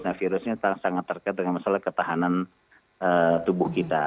nah virusnya sangat terkait dengan masalah ketahanan tubuh kita